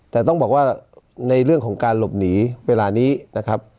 แต่ต้องบอกว่าในเรื่องของการหลบหนีเวลานี้นะครับ